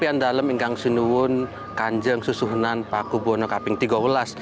dan dalam enggang sunuhun kanjeng susuhunan paku buwono ke tiga belas